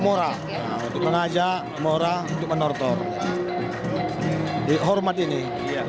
mora mengajak mora untuk menortor dihormat ini ya